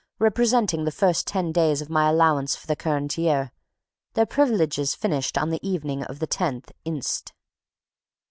representing the first ten days of my allowance for the current year; their privileges finished on the evening of the tenth inst.